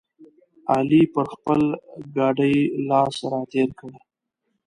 علي پر خپل ګاډي لاس راتېر کړ.